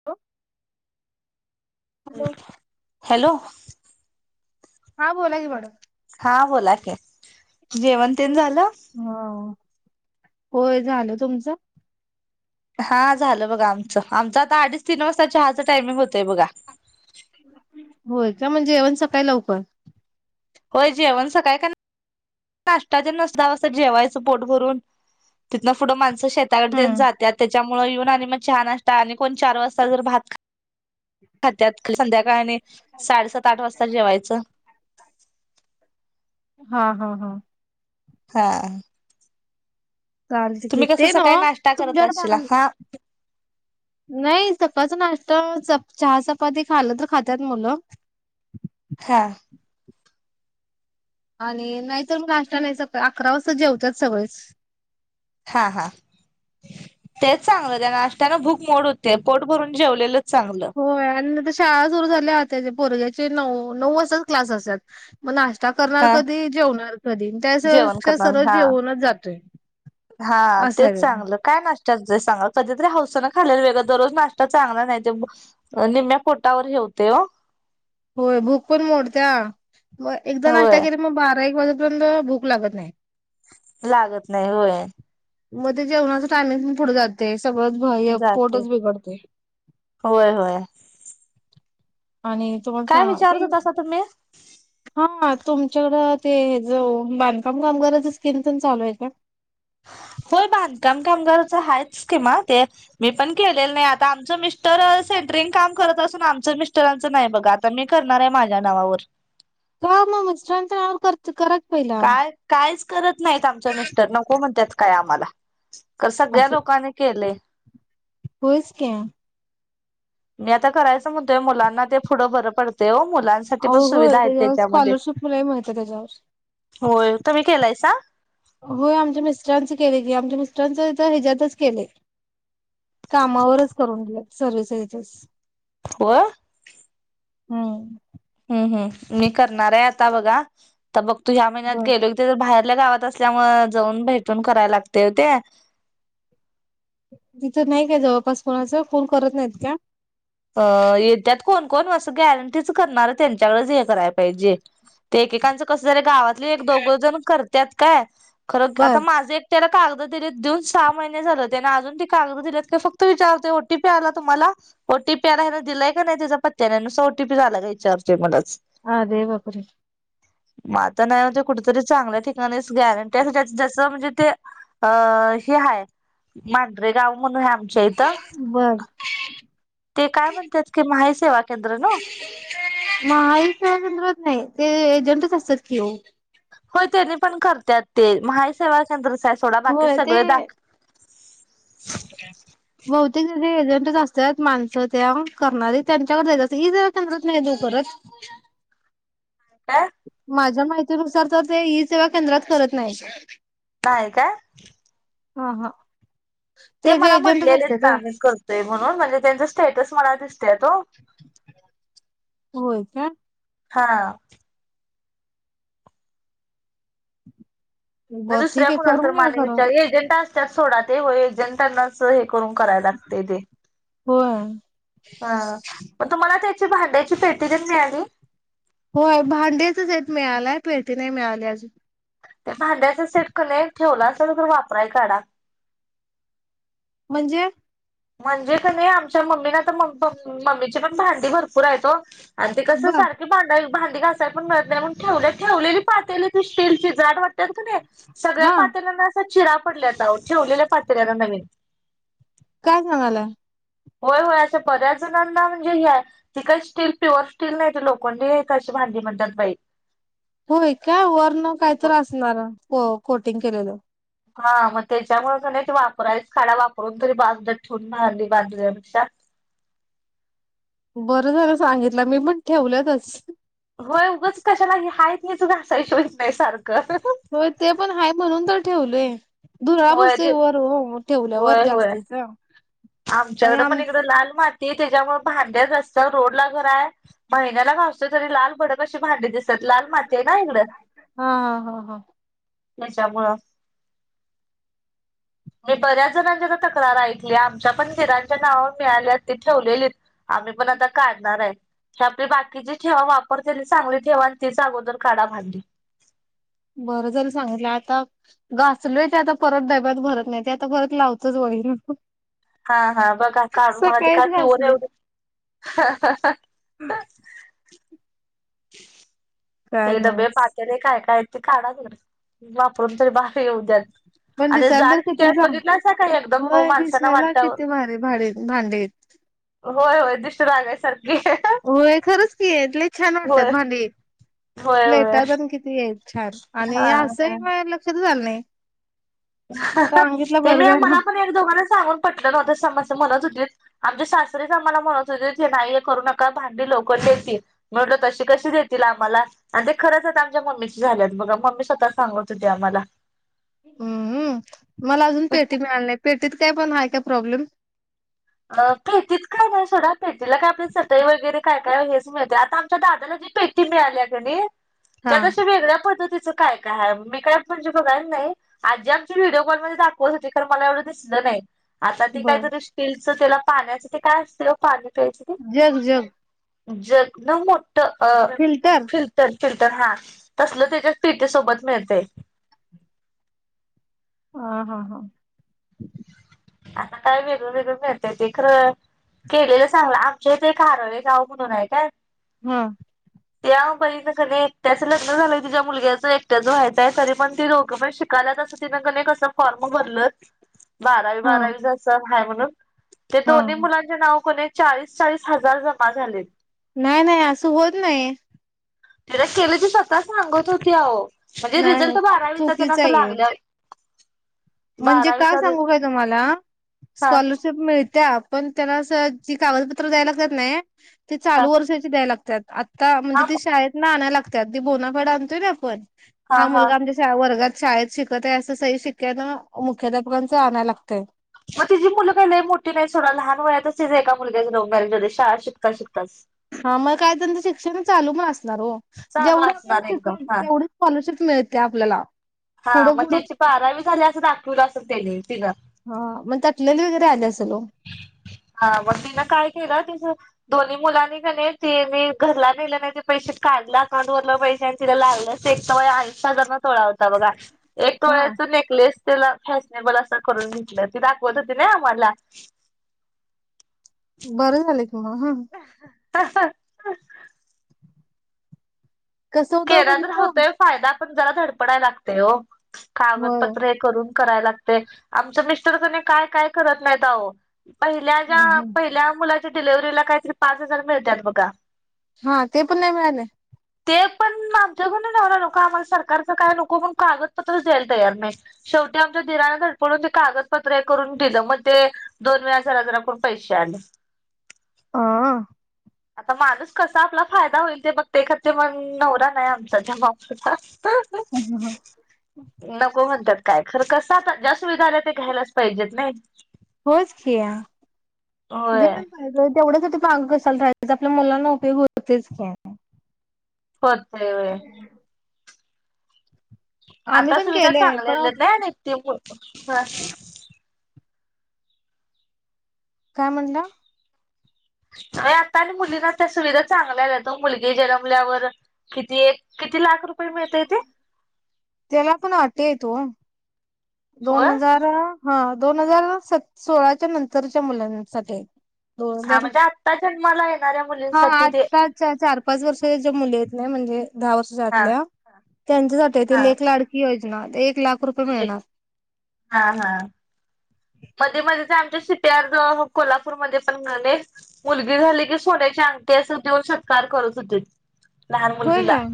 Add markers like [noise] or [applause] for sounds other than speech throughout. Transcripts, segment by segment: [inaudible] Hello. Hello? हा, बोला की मॅडम. हा, बोलाकी, जेवण तेन झालं? हा, होय झालं. तुमचं? हा, झालं बघा आमचं, आमचं आता अडीच तीन वाजता चहाचं टायमिंग होतंय बघा. होय का? म्हणजे जेवण सकाळी लवकर होय, जेवण सकाळी काय नाश्ता तेन नसत, दहा वाजता जेवायचं पोट भरून. तिथं पुढं माणसं शेताकडे तेन जात्यात, त्याच्यामुळे येऊन आणि मग चहा नाश्ता, आणि कोण चार वाजता जर भात खात [unintelligible] [inaudible] खात्यात, संध्याकाळ आणि साडेसात, आठ वाजता जेवायचं. हा हा हा. हा. चालते की, तुम्ही कसं ते नवा सकाळी नाश्ता करत असशीला तुमच्याकड हा नाही, सकाळचा नाश्ता, चहा, चपाती, खाल तर खात्यात मुलं. हा. आणि नाही तर मग, नाष्टा नाही, सकाळी अकरा वाजता जेवत्यात सगळेच. हा हा, तेच सांगालोय, त्या नाश्त्यान भूक मोड हो त्या, पोट भरून जेवलेलंच चांगलं. होय, आणि तर शाळा सुरू झाल्या त्या पोरग्याचे नऊ वाजताच क्लास असत्यात. मग नाश्ता करणार हा कधी? जेवणार कधी? जेवण त्यापेक्षा करणार सरळ हा जेवूनच जातोय, हा अस आहे तेच. चांगलं काय नाश्त्याच हाय सांगा, कधीतरी हौसन खालेल चांगलं, दररोज नाश्ता चांगला नाही. ते निम्म्या पोटावर [unintelligible] ओ होय, भूक पण मोडत्या. मग एकदा नाश्त्या होय केल्यावर, मग बारा एक वाजेपर्यंत भूक लागत नाही. लागत नाही, होय. मग ते जेवणाचं टायमिंग पण पुढ जातय, सग जाते पोटच बिघडतय, होय होय आणि तुम्हाला काय सांगा विचारत ते होतासा तुम्ही? हा, म तुमच्याकडं ते ज बांधकाम कामगाराच्या स्कीम तेन चालू आहे काय? होय, ब बांधकाम कामगारच आहेच स्कीमा, ते मी पण केलं नाही, आता आमच मि टर, सेंटरिंग काम करत असून आमचं मिस्टरांचं नाही बघा, आता मी करणार आहे माझ्या नावावर. का मग, मिस्टरांच्या नावावर करा की पहिला. काय कायच करत नाहीत आमचा मिस्टर, नको म्हणत्यात काय आम्हाला, तर सगळ्या लोकांनी केले. होईच की. ते आता करायच म्हणतोय मुलांना ते पुढं बरं पडतय ओ मुलां अ होय त्याच्यावर स्कॉलरशिप लय मिळते त्याच्यावर. होय तुम्ही केलायसा? होय आमच्या मिस्टरांचं केले की आमच्या मिस्टरांच तर ह्याच्यातच केले. कामावरच करून दे सर्विस हे. [unintelligible] होय. हम्म. हम्म हम्म मी करणार आहे आता बघा तर बघ तू ह्या महिन्यात बर गेलो ते बाहेरल्या गावात असल्यामुळे जाऊन भेटून कराय लागते वो ते. तिथं नाही काय जवळपास कोणाच कोण करत नाहीत का? अ येत्यात कोण कोण असं गॅरंटीच करणार त्यांच्याकडेच हे करायला पाहिजे. ते एकेकांचं कस झालय गावातले एक दोघ जण करतात काय खरं बर आता माझं एक त्याला कागद दिलीत देऊन सहा महिने झाले त्याना अजून ते कागद दिलेत का फक्त विचारते ओ टी पी आला तुम्हाला? ओ टी पी आता याला दिलाय का नाही त्याचं. [unintelligible] अरे बाप रे. मग आता ना ते कुठेतरी चांगल्या ठिकाणीच गॅरंटी आणि त्या जस म्हणजे ते अ हे हाय मांढरे गाव म्हणून ह बर. ते काय म्हणत की महा ई सेवा केंद्र ना. महा ई सेवा केंद्रात नाही ते एजंटच असतात कि हो. हो त्यांनी पण करतात ते महा ई सेवा केंद्रच हाय सोडा बाकी होय ते सगळे दाख [inaudible] बहुतेक जे एजंट असतात माणसं त्या करणारी त्यांच्याकडे जायच असतात ई सेवा केंद्रात नाही ओ करत. [inaudible] [unintelligible] माझ्या माहिती नुसार तर ते ई सेवा केंद्रात करत नाहीत. नाही काय? हा हा. ते जे मला एजंटच म्हटलेलेत असतात ना ओ. आम्ही करतोय म्हणून म्हणजे त्यांच स्टेटस मला दिसतेत ओ. होय का. हा. [inaudible] म बर दुसऱ्या ठीक आहे कोणा तर करून घ्या माने खरं विचारी एजंट अस त्यात सोडा ते हो एजेंटनाच हे करून कराय लागते ते. होय. हा मग तुम्हाला त्याची भांड्याची पेटी ते न मिळाली? होय भांड्याचा सेट मिळालाय पेटी नाही मिळाली अजून. ते भांड्याच सेट कने ठेवला असल तर वापराय काढा. म्हणजे? म्हणजे कनी आमच्या मम्मीने आता मम- मम्मीचे पण भांडी भरपूर आहेत ओ. आणि ते कसं बर सारख भांडी घासायला पण मिळतं नाहीत मग ठेवल्यात ठेवलेली पातली ती स्टीलची जाड वा त्यात का नाही सगळ्या हा पातळ्यांना असा चिरा पडल्या आ ओ ठेवलेल्या पातिल्याना नवीन. काय सांगाला? होय होय अशा बऱ्याच जणांना म्हणजे हे हाय ती काय स्टील प्युअर स्टील नाय ती लोखंडी हेत अशी भांडी म्हणतात बाई होय का वरन काय तरी असणार को कोटिंग केलेलं हा म त्याच्यामुळ क नाय ते वापरायच काढा वापरून तरी बांधून ठेवून भांडी बादहोण्यापेक्षा बरं झालं सांगितलं मी पण ठेवल्यातस होय उगच कशाला हे हायच हेच घासायच होईत नाय सारखं होय ते पण हाय म्हणून तर ठेवलय. घुरळा होय बसतोय ते वर हो ठेवल्यावर जास्तीच आमच्याकड आम पण इकडं लाल माती त्याच्यामुळ भांडे रस्त्यावर रोडला घर हाय. महिन्याला घासतोय तरी लाल भडक अशी भांडी दिस तात लाल माती ये ना इकडं हा हा हा हा त्याच्यामुळं होय बऱ्याच जणांच्या त तक्रार ऐकली आमच्या पण दिरांच्या नावावर मिळाल्यात ती ठेवलेली आम्ही पण आता काढणार ये. हे आपली बाकीची ठेवा वापरते आणि चांगली ठेवा आणि तीच अगोदर काढा भांडी बरं झालं सांगितलं आता घासलोय ते आता परत डब्यात भरत नाय ते आता परत लावतोच बघ [unintelligible] हा हा बघा काढून बघा ती काय पीवर घासलोय एवढी [unintelligible] काय ते डबे नव्हच पाट त्याने काय काय ते काढा [unintelligible] वापरून तरी बाहेर येऊद्यात. पण आणि दिसायला तर जाड किती हायत चांग बघितलासा का एकदम होय माणसांना दिसायला वाटावं किती भारी भारी भांडी आहेत. होय होय दृष्ट लागायसारखी हो खरंच की लय छान वाटतात होय भांडी होय होय प्लेटा पण कि ती येत छान हा आणि असं ही हा माया लक्षातच आलं नाही. सांगितलं ते मी बरं झालं मला पण एक दोघांन सांगून पटलं नव्हत समस म्हणत होतीत. आमचे सासरेच आम्हाला म्हणत होते ते नाही हे करू नका भांडी लवकर देतील म्हटंल तशी कशी देतील आम्हाला आणि ते खरंच आता आमच्या मम्मीची झाल्यात बघा मम्मी स्वतः सांगत होती आम्हाला हम्म मला अजून प्लेटी मिळाल्या नाही पेटीत काय पण हाय काय प्रॉब्लेम अ पेटीच काय नाय सोडा पेटीला काय आपली सटई वगैरे काय काय हेच मिळतय आता आमच्या दादाला जी पेटी मिळाल्या क नी हा त्यात अशी वेगळ्या पद्धतीच काय काय हाय मी काय म्हणजे बघाय नाय आजी आमच्या व्हिडिओ कॉलमध्ये दाखवत होती खरं मला एवढं दिसलं नाय. आता ते बर कायतरी स्टीलच त्याला पाण्याचे ते काय असतय पाणी प्यायच ते जग जग जग न मोठं अ फिल्टर फिल टर फिल्टर हा तसल त्याच्या पेटी सोबत मिळतय. हा हा हा आता काय वेगळं वेगळ मिळतंय ते खरं केलेलं चांगलं आमच्या इथ हारळे गाव म्हणून हाय काय हा या बहिनीच कनी एकट्याच लग्न झालंय तिझ्या मुलग्याचं एकट्याच व्हायचय तरी पण ती दोघंपण शिक काल तस तिनं कनंय कस फॉर्म भरलत [unintelligible] हा बारावीस असा हाय म्हणून ते हा दोन्ही मुलानं त्या नाव क नाय चाळीस चाळीस हजार जमा झालेत. नाय नाय असं होत नाही. फिरक केली ती स्वतः सांगत होती अहो. म्हणजे नाही नाही रिझल्ट बारावीचा त्यां चुकीच असं आहे लागल्या वर म्हणजे का सांगू काय तुम्हाला? हा स्कॉलर शिप मिळत्या, पण त्यांना ज कागपत्र द्यायला लागतात नाही. ते हा चालू वर्षाची द्याय लागतात. आता हा म्हणजे ती शाळेत ना आणाय लागतात. ती बोनाफड आणतोय ना आपण. हा मुलगा आमच्या श वर्गात शाळेत शिकत आहे असं सही शिक्यान. मुख्याध्यापकांच आणाय लागतंय. म तिची मुलं काय लई मोठी नाही सोडा. लहान वयात च एका मुलग्याच लवमॉरेज झाल. शाळा शिकता शिकताच. हा मग काय त्यांच शिक्षण चालू पण असणार हो. चालू जेवढं आपण असणार एकदम शिकतो. हा तेवढी स्कॉलरशिप मिळते आपल्याला. हा पुढं मग पुढं त्याची बारावी झाली असं दाखवलं असेल त्याने. तिनं. हा मग त्याटलेली वगैरे आले असेल ओ. हा मग तिन काय केलं तिचं. दोन्ही मुलांनी कणे त मी घरला नेले नाही ते पैसे. काढलं अकाउंट वरलं पैशां ति लाललंच एक तर आंचा जरना तोळाव. बघा. एक हा टोळ्याच नेकलेस त्याला फॅशनेबल असं करून घटलं. ते दाखवत होती ना आम्हाला. बरं झाले की म ह. ह [unintelligible] कसं होतं केला तर म्हटलं तो होतोय फायदा पण जरा धडपडाय लागतेय हो होय कागदपत्र करून कराय लागते. आमच मिस्टर कधी काय काय करत नाही आओ. पहिल्या ज पहिल्या मुलाच्या डिलेवर्हरीला काहीतरी पाच हजार मिळतात बघा. हा ते पण नाही मिळाले? ते माध्यमवला नको. आम्हाला सरकारचं काय नको. पण कागदपत्रच द्यायला तयार नाही. शेवटी आमच्या दीराण धडपडून ते कागदपत्र हे करून दिलं. म ते दोन वेळा जरा जरा करुण पैसे आले. ह. आता माणूस कसा आपला फायदा होईल ते बगते खते. पण नवरा नाही आमचा त्या मापाचा. [inaudible] नको होयच म्हणत्यात. काय खरं कसं आता, ज्या सुविधा आल्या ते घ्यायलाच पाहिजेत नाही. होयच की, होय घेयलाच तेवढ्या साठी माग कसाल राहायच. आपल्या मुलांना उपयोग होतेच की. [unintelligible] व्हय. आम्ही आता पण सुविधा केलेय चांगल्या पण आल्यात नाही. नाही त काय म्हणला? आता आणि मुलींना त्या सुविधा चांगल्या आल्यात हो. मुलगी जन्मल्यावर किती एक किती लाख रुपये मिळतेय ते? त्याला पण अटीयेत ओ. दोन होय हजार हा दोन हजार स सोळाच्या नंतरच्या मुलांसाठी आहेत. हा म्हणजे आत्ता जन्माला येणाऱ्या हा मुलींसाठी ते. आत्ताच्या चार पाच वर्ष ज्या मुली येत न म्हणजे दहा हा वर्षच्याआतल्या त्यांच्यासाठी ते हा लेकलाड ती योजना. एक लाख रुपये लेट मिळणार. हा हा. मध्ये, मध्ये जे आमच्या सी, पी, आर ज कोल्हापूरमध्ये पण झालेत. मुलगी झाली की सोन्याची अंगठी अस देऊन सत्कार करत होते. लहान होय मुलगी ला काय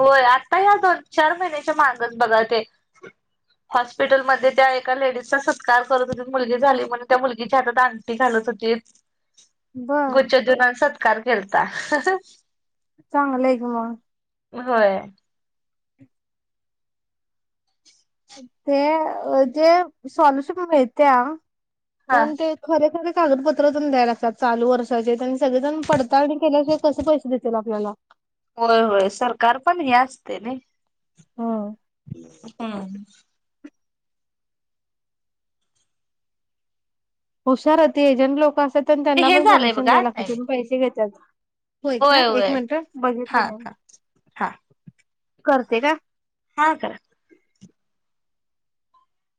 होय आता ह्या दोन, चार महिन्याच्या माघच बघा ते. हॉस्पिटलमध्ये त्या एका लेडीजचा काल करत होते मुलगी झाली म्हणून त्या मुलगीची हात आंगठी घालत होतेत. बर गुच्छ देऊन अन सत्कार केलता. चांगल आहे घर. होय. ते जे सॉल्युशन मिळते हा पण ते खरे, खरे कागदपत्र पण द्यायला लागतात चालू वर्षाचे त्यांनी सगळेजण पळताडनी केल्याशिवाय कसे पैसे देतीलतील आपल्याला. होय, होय सरकार पण हे असते नाही? हो. हम्म. हुशार होती एजंट लोक असतात ते त्यांना हे पण झालंय कमिशन बघा द्यायला टायमिंग त्यानी पैसे घेतात होय का एक मिनट बघितलं हां नाही मी हां करते काय हा करा